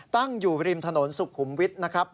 ตั้งอยู่ริมถนนสุขุมวิทย์นะครับ